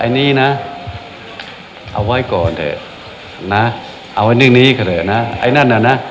อ๋อไอ้นี่นะเอาไว้ก่อนเถอะนะเอาไว้นึกนี้ก็เลยนะไอ้นั่นน่ะนะ